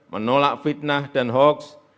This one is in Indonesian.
menolak fitnah dan hoaks